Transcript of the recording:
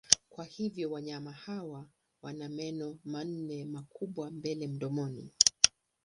Kwa hivyo wanyama hawa wana meno manne makubwa mbele mdomoni.